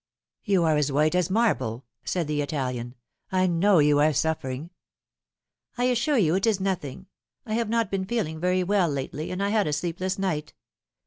" You are as white as marble," said the Italian. " I know you are suffering'" "I assure you it is nothing. I have not been feeling very well lately, and I had a sleepless night.